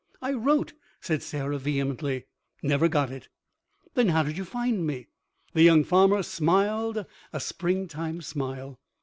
"I wrote!" said Sarah, vehemently. "Never got it!" "Then how did you find me?" The young farmer smiled a springtime smile.